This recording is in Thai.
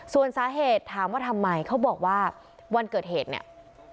ส่วนสาเหตุถามว่าทำไมเขาบอกว่าวันเกิดเหตุเนี่ย